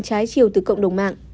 trái chiều từ cộng đồng mạng